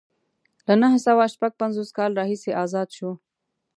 له نهه سوه شپږ پنځوس کال راهیسې ازاد شو.